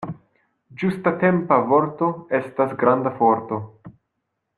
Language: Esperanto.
Ĝustatempa vorto estas granda forto.